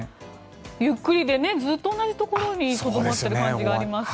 ゆっくりでずっと同じところにとどまっている感じがありますね。